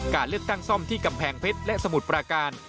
การเลือกตั้งซ่อมที่กำแพงเพชรและสมุทรปราการ